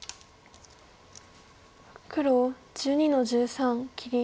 黒１２の十三切り。